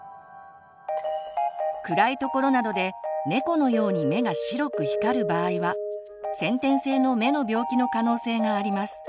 暗いところなどで猫のように目が白く光る場合は先天性の目の病気の可能性があります。